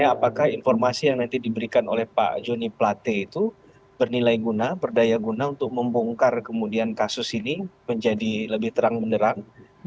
apakah informasi yang nanti diberikan oleh pak joni plate itu bernilai guna berdaya guna untuk membongkar kemudian kasus ini menjadi lebih terang benerang